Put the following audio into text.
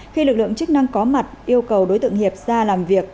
khi lực lượng chức năng có mặt yêu cầu đối tượng hiệp ra làm việc